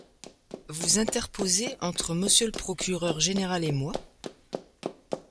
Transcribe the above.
vous interposer entre monsieur le procureur général et moi ?...